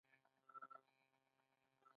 د بادام ګلونه سپین او ګلابي وي